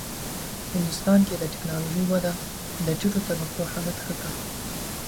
هندوستان کې د ټېکنالوژۍ وده د ټیټو طبقو حالت ښه کړ.